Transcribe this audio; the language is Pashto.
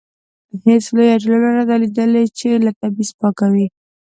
هیڅ لویه ټولنه نه ده لیدلې چې له تبعیض پاکه وي.